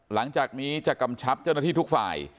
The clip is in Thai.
หลังจากนี้จะกำชับเจ้าหน้าที่ทุกฝ่าย